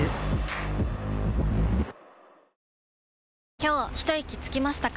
今日ひといきつきましたか？